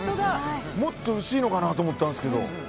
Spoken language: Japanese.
もっと薄いのかと思ったんですけど。